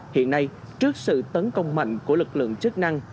hiện nay trước sự tấn công mạnh của lực lượng chức năng